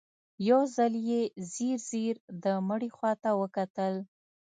يو ځل يې ځير ځير د مړي خواته وکتل.